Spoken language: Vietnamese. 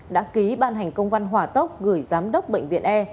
đã ký ban hành công văn hỏa tốc gửi giám đốc bệnh viện e